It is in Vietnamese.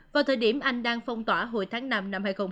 vào thời điểm anh đang phong tỏa hồi tháng năm năm hai nghìn hai mươi